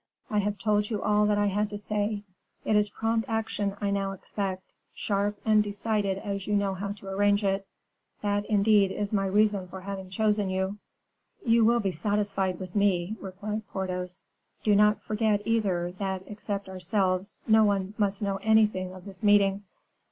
I have told you all that I had to say; it is prompt action I now expect, sharp and decided as you know how to arrange it. That, indeed, is my reason for having chosen you." "You will be satisfied with me," replied Porthos. "Do not forget, either, that, except ourselves, no one must know anything of this meeting."